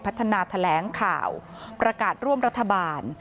พัฒนาแถลงข่าวประกาศร่วมรัฐบาล